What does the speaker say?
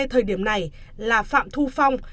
thời điểm này là phạm thu phong